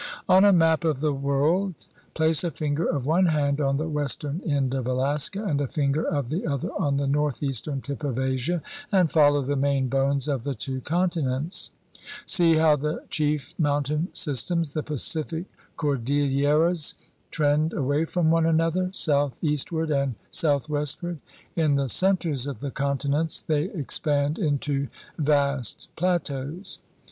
On a map of the world place a finger of one hand on the western end of Alaska and a finger of the other on the northeastern tip of Asia and follow the main bones of the two continents. See how the chief mountain systems, the Pacific " Cordilleras," trend away from one another, southeastward and southwestward. In the centers of the continents they expand into vast plateaus.